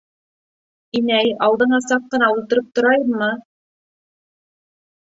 - Инәй, алдыңа саҡ ҡына ултырып торайыммы?